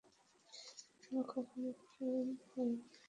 আমার কখনো প্রেম হয় নি।